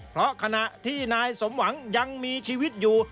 เพราะขณะที่นายสมหวังยังมีชีวิตอยู่